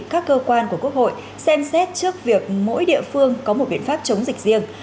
các cơ quan của quốc hội xem xét trước việc mỗi địa phương có một biện pháp chống dịch riêng